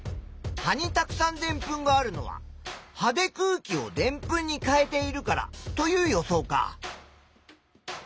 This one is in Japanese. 葉にたくさんでんぷんがあるのは葉で空気をでんぷんに変えているからという予想か。